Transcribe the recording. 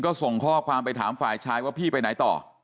ก็ส่งข้อความไปถามฝ่ายชายว่าพี่ไปไหนต่อ